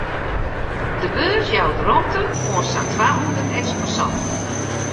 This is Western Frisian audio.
De beurs jout rûmte oan sa'n twahûndert eksposanten.